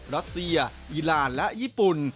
รัสเซียอีรานและญี่ปุ่น